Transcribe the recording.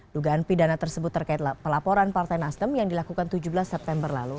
dugaan pidana tersebut terkait pelaporan partai nasdem yang dilakukan tujuh belas september lalu